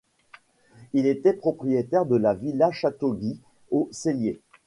Il était propriétaire de la Villa Château-Guy, au Cellier.